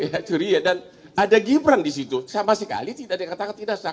ya ceria dan ada gibran disitu sama sekali tidak dikatakan tidak sah